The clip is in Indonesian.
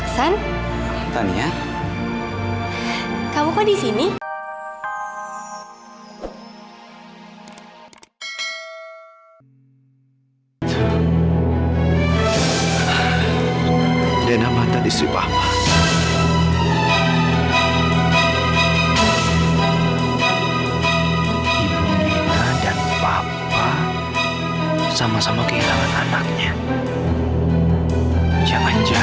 sampai jumpa di video selanjutnya